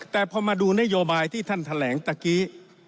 แต่พอมาดูนโยบายที่ท่านแถลงตะกี้